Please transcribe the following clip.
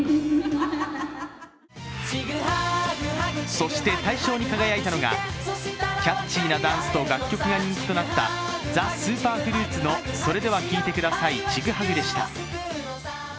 そして、大賞に輝いたのがキャッチーなダンスと楽曲が人気となったＴＨＥＳＵＰＰＥＲＦＲＵＩＴの「それでは聴いてください、チグハグ」でした。